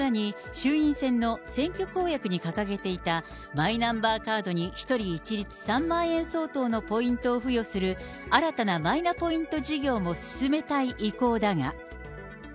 、衆院選の選挙公約に掲げていたマイナンバーカードに１人一律３万円相当のポイントを付与する新たなマイナポイント事業も進めたい意向だが。